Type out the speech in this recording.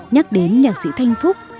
nhắc đến nhạc sĩ thanh phúc